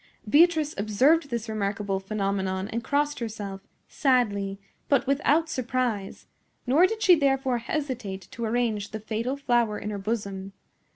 Beatrice observed this remarkable phenomenon and crossed herself, sadly, but without surprise; nor did she therefore hesitate to arrange the fatal flower in her bosom.